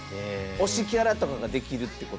推しキャラとかができるっていうこと。